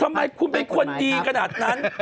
ทำไมคุณเป็นคนดีขนาดนั้น